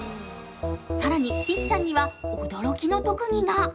更に、ぴっちゃんには驚きの特技が。